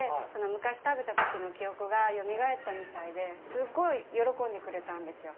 昔食べた時の記憶がよみがえったみたいですごい喜んでくれたんですよ